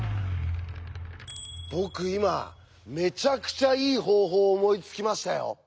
僕今めちゃくちゃいい方法思いつきましたよ。